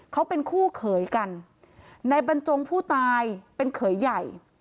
เขาเป็นคู่เขยกันในบรรจงผู้ตายเป็นเขยใหญ่